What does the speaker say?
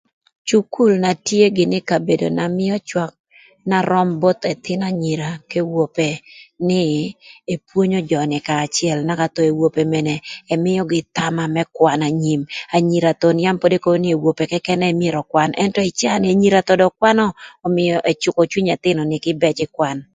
Cukul na tye gïnï ï kabedo na mïö cwak na röm both ëthïn anyira ka awope nï epwonyo jö ni kanya acël naka awope mene ëmïögï thama më kwan anyim, anyira thon yam pod ekobo nï awope këkën ënë myero ökwan ëntö ï caa ni anyira thon dong kwanö ömïö öcükö cwiny ëthïnö ni kïbëc ï kwan.